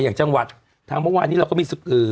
อย่างจังหวัดทั้งเพราะว่าอันนี้เราก็มีสุขือ